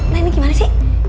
nah ini gimana sih